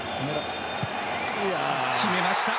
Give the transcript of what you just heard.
決めました。